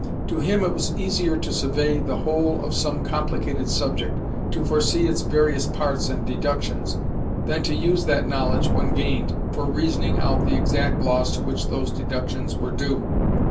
To him it was easier to survey the whole of some complicated subject, to foresee its various parts and deductions, than to use that knowledge, when gained, for reasoning out the exact laws to which those deductions were due.